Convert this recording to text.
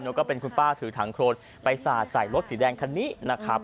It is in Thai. แล้วก็เป็นคุณป้าถือถังโครนไปสาดใส่รถสีแดงคันนี้นะครับ